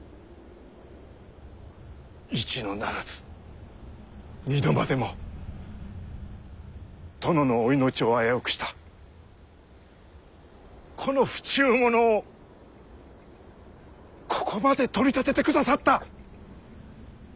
一度ならず二度までも殿のお命を危うくしたこの不忠者をここまで取り立ててくださった！